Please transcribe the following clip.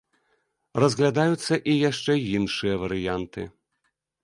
Разглядаюцца і яшчэ іншыя варыянты.